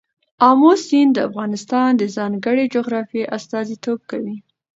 آمو سیند د افغانستان د ځانګړي جغرافیه استازیتوب کوي.